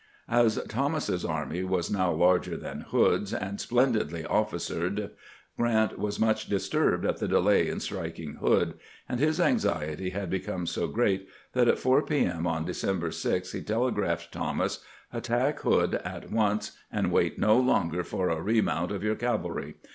..." As Thomas's army was now larger than Hood's, and splendidly officered, Grant was much disturbed at the delay in striking Hood; and his anxiety had become so great that at 4 p. M. on December 6 he telegraphed Thomas: "Attack Hood at once, and wait no longer for a remount of your cavalry.